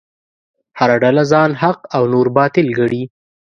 هره ډله ځان حق او نور باطل ګڼي.